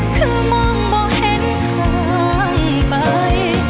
คือมองบอกเห็นทางไป